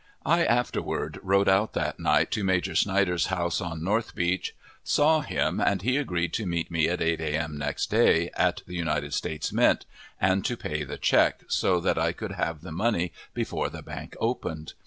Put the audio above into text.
I afterward rode out, that night, to Major Snyder's house on North Beach, saw him, and he agreed to meet me at 8 a.m. next day, at the United States Mint, and to pay the check, so that I could have the money before the bank opened.